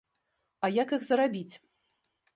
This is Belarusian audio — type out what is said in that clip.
А як іх зарабіць?